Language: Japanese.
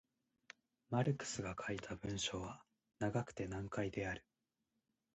マルクスが書いた文章は長くて難解である。